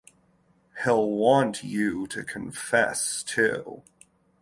He'll want you to confess, too.